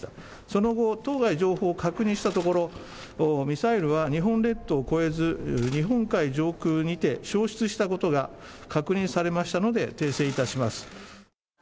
その後、当該情報を確認したところ、ミサイルは日本列島を越えず、日本海上空にて消失したことが確認されましたので、訂正いたします。